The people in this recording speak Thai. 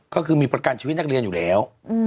ก็คือมีประกันชีวิตนักเรียนอยู่แล้ว